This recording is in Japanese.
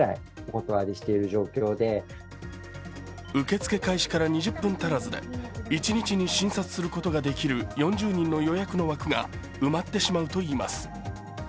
受け付け開始から２０分足らずで一日に診察することができる４０人の予約の枠が埋まってしまうといいます。